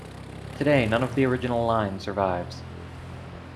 Today none of the original line survives.